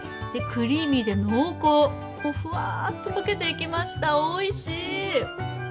クリーミーで濃厚、ふわっと溶けていきました、おいしい！